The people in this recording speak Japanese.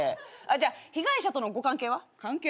じゃあ被害者とのご関係は？関係？